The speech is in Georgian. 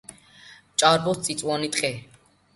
ჭარბობს წიწვოვანი ტყე.